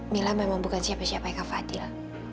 mila memang bukan siapa siapai kak fadil